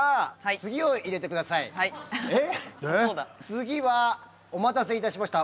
次はお待たせ致しました。